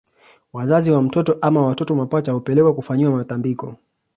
Wazazi wa mtoto ama watoto mapacha hupelekwa kufanyiwa matambiko